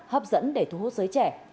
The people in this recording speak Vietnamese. hấp dẫn để thu hút giới trẻ